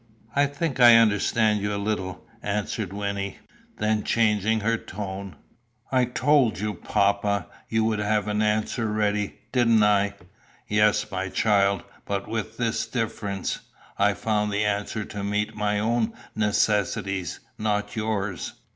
"I think I understand you a little," answered Wynnie. Then, changing her tone, "I told you, papa, you would have an answer ready; didn't I?" "Yes, my child; but with this difference I found the answer to meet my own necessities, not yours."